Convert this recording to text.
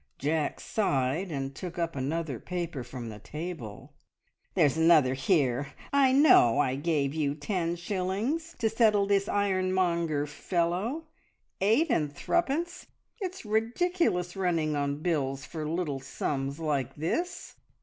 Jack sighed and took up another paper from the table. "There's another here. I know I gave you ten shillings to settle this ironmonger fellow. Eight and threepence! It's ridiculous running on bills for little sums like this."